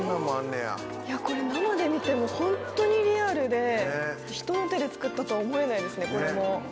いやこれ生で見てもホントにリアルで人の手で作ったとは思えないですねこれも。